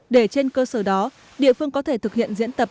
để trên cơ sở đó địa phương có thể thực hiện diễn tập